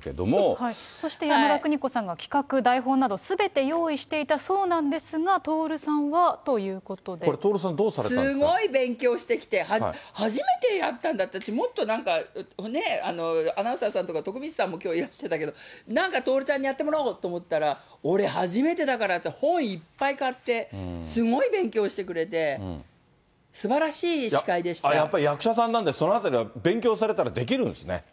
けれそして山田邦子さんが企画、台本など、すべて用意していたそうなんですが、徹さんはというこれ、すごい勉強してきて、初めてやったんだって、私、もっとなんか、ね、アナウンサーさんとか、徳光さんもきょういらしてたけど、なんか徹ちゃんにやってもらおうと思ったら、俺、初めてだからって、本いっぱい買って、すごい勉強してくれて、すばらしい司会でやっぱり役者さんなんで、そのあたりは勉強されたらできるんですね。